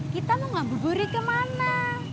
kita mau ngabuburit kemana